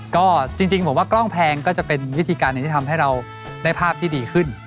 ก็จริงผมว่ากล้องแพงก็จะเป็นวิธีการหนึ่งที่ทำให้เราได้ภาพที่ดีขึ้น